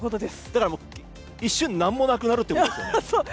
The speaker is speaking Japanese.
だから一瞬、何もなくなるということですよね。